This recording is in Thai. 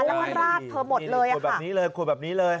แล้วมันราดเธอหมดเลยค่ะขวดแบบนี้เลย